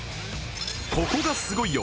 ここがすごいよ！